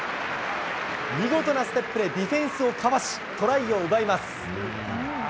見事なステップでディフェンスをかわし、トライを奪います。